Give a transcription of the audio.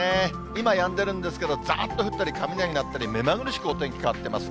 今やんでるんですけど、ざーっと降ったり、雷鳴ったり、目まぐるしくお天気変わってます。